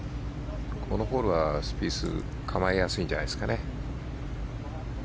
このホールはスピース構えやすいんじゃないですかね。